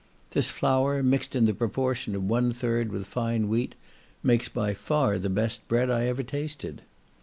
This flour, mixed in the proportion of one third with fine wheat, makes by far the best bread I ever tasted.